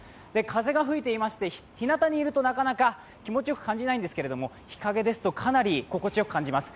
風が吹いていまして、日なたにいるとなかなか気持ちよく感じないんですけれども、日陰ですと、かなり心地よく感じます。